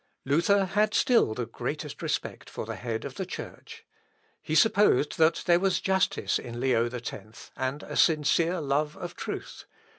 Ineptias. Luther had still the greatest respect for the head of the Church. He supposed that there was justice in Leo X, and a sincere love of truth.